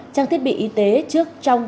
trang thiết bị y tế trước trong